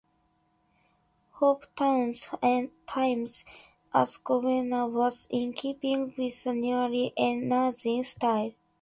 Hopetoun's time as Governor was in keeping with the newly emerging style.